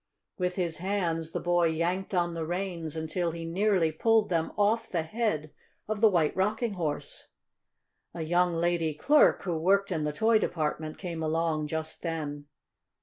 With his hands the boy yanked on the reins until he nearly pulled them off the head of the White Rocking Horse. A young lady clerk, who worked In the toy department, came along just then.